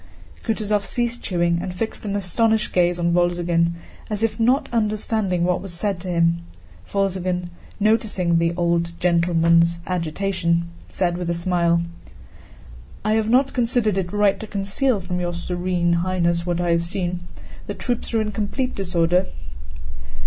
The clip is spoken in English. Kutúzov ceased chewing and fixed an astonished gaze on Wolzogen, as if not understanding what was said to him. Wolzogen, noticing "the old gentleman's" agitation, said with a smile: "I have not considered it right to conceal from your Serene Highness what I have seen. The troops are in complete disorder...."